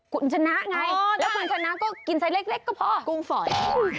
คุณชนะไงแล้วคุณชนะก็กินไซส์เล็กก็พอกุ้งฝอย